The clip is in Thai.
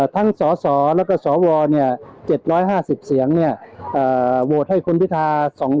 ทั้งสสและก็สว๗๕๐เสียงโหวตให้คุณพิธา๒๒๔